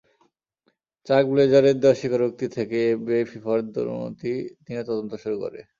চাক ব্লেজারের দেওয়া স্বীকারোক্তি থেকেই এফবিআই ফিফার দুর্নীতি নিয়ে তদন্ত শুরু করে।